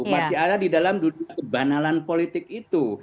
masih ada di dalam dunia kebanalan politik itu